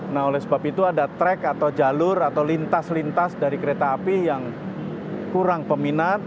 nah oleh sebab itu ada track atau jalur atau lintas lintas dari kereta api yang kurang peminat